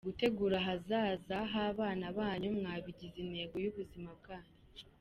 Gutegura ahazaza h’abana banyu mwabigize intego y’ubuzima bwanyu.